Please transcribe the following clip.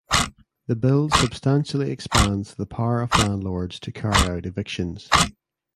The bill substantially expands the power of landlords to carry out evictions.